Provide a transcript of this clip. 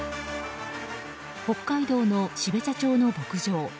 北海道の標茶町の牧場。